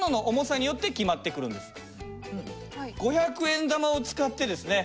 ５００円玉を使ってですね